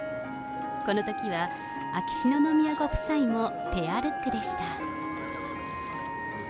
このときは、秋篠宮ご夫妻もペアルックでした。